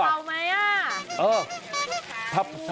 อ้าว